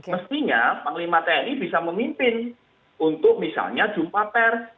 mestinya panglima tni bisa memimpin untuk misalnya jumpa pers